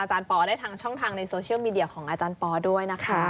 ปอได้ทางช่องทางในโซเชียลมีเดียของอาจารย์ปอด้วยนะคะ